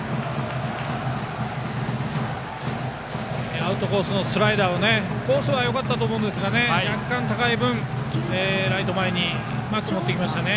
アウトコースのスライダーコースはよかったと思いますが若干高い分、ライト前にうまく持っていきましたね。